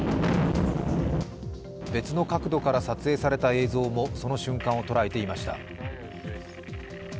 別の角度から撮影された映像もその瞬間を捉えていました。